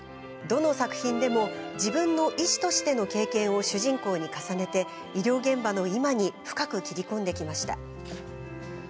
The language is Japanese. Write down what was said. どの作品でも自分の医師としての経験を主人公に重ねて医療現場の今に深く切り込んできました。